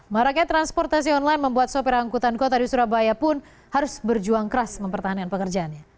maraknya transportasi online membuat sopir angkutan kota di surabaya pun harus berjuang keras mempertahankan pekerjaannya